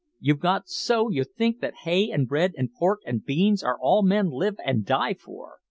You've got so you think that hay and bread and pork and beans are all men live and die for!